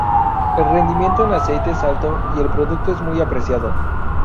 El rendimiento en aceite es alto y el producto es muy apreciado.